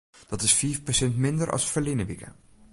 Dat is fiif persint minder as ferline wike.